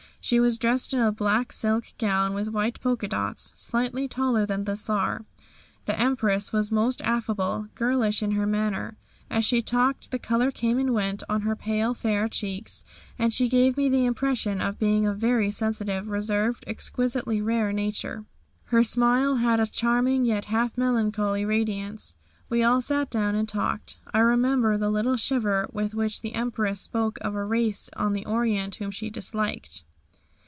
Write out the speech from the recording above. She was dressed in a black silk gown with white polka dots. Slightly taller than the Czar, the Empress was most affable, girlish in her manner. As she talked the colour came and went on her pale, fair cheeks, and she gave me the impression of being a very sensitive, reserved, exquisitely rare nature. Her smile had a charming yet half melancholy radiance. We all sat down and talked. I remember the little shiver with which the Empress spoke of a race in the Orient whom she disliked.